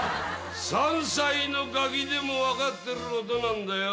３歳のガキでも分かってることなんだよ。